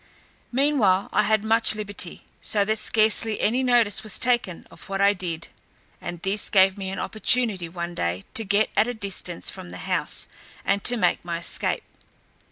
Meanwhile I had much liberty, so that scarcely any notice was taken of what I did, and this gave me an opportunity one day to get at a distance from the houses, and to make my escape.